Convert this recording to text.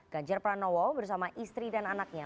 ganjar pranowo bersama istri dan anaknya